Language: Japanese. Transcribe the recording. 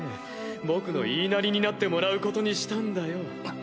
僕の言いなりになってもらうことにしたんだよ。